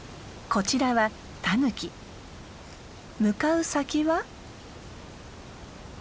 こちらは向かう先は？